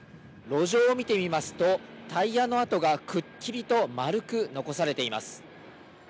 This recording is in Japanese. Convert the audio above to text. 路上を見てみますと、タイヤの跡がくっきりと丸く残されています。